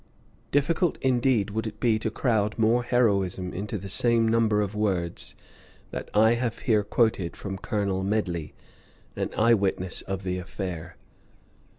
Difficult, indeed, would it be to crowd more heroism into the same number of words that I have here quoted from Colonel Medley, an eye witness of the affair.